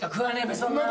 そんなの。